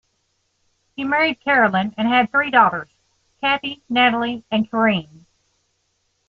He married Carolyn and had three daughters; Kathie, Natalie and Karine.